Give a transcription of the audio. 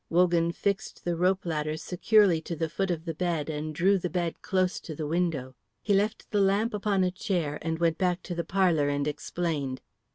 Wogan fixed the rope ladder securely to the foot of the bed and drew the bed close to the window. He left the lamp upon a chair and went back to the parlour and explained.